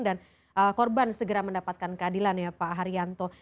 dan korban segera mendapatkan keadilan ya pak haryanto